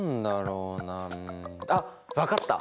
うん。あっ分かった！